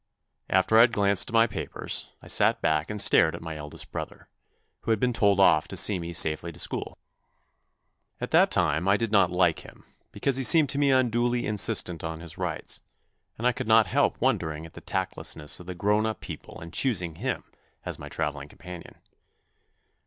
After I had glanced at my papers, I sat back and stared at my eldest brother, who had been told off to see me safely to school. At that time I did not like him because he seemed to me unduly insistent on his rights, and I could not help wondering at the tact lessness of the grown up people in choosing him as my travelling companion.